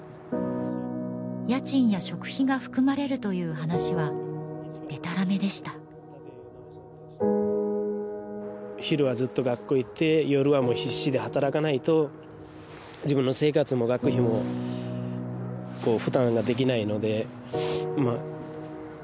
家賃や食費が含まれるという話はでたらめでした昼はずっと学校行って夜は必死で働かないと自分の生活も学費も負担ができないのでまあ